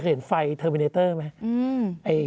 เห็นไฟเทอร์มิเนเตอร์ไหม